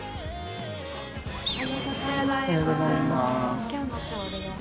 おはようございます。